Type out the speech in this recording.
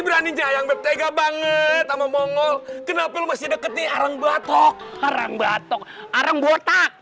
beraninya yang bertega banget sama mongo kenapa masih deket nih arang batok arang batok arang botak